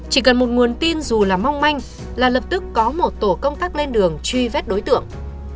chỉ cần một nguồn tin dù là mong manh là lập tức có một tổ công tác lên đường truy vết đối tượng